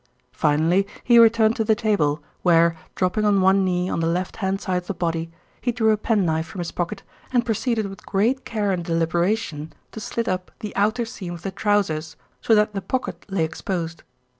Finally he returned to the table, where, dropping on one knee on the left hand side of the body, he drew a penknife from his pocket, and proceeded with great care and deliberation to slit up the outer seam of the trousers so that the pocket lay exposed.